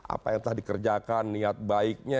apa yang telah dikerjakan niat baiknya